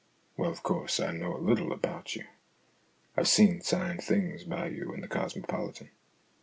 " Well, of course, I know a little about you. I've seen signed things by you in The Cosmopolitan.